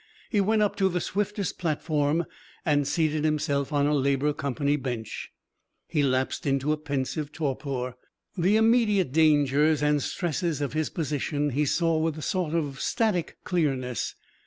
He went up to the swiftest platform, and seated himself on a Labour Company bench. He lapsed into a pensive torpor. The immediate dangers and stresses of his position he saw with a sort of static clearness.